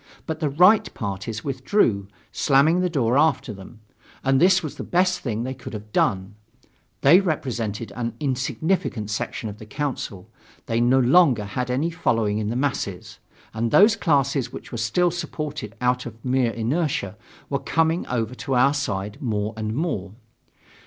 But the Right parties withdrew, slamming the door after them. And this was the best thing they could have done. They represented an insignificant section of the Council. They no longer had any following in the masses, and those classes which still supported them out of mere inertia, were coming over to our side more and more.